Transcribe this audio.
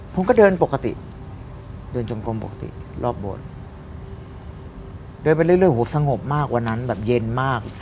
ผมก็เดินปกติเดินจมกลมปกติรอบโบสถ์เดินไปเรื่อยโหสงบมากวันนั้นแบบเย็นมาก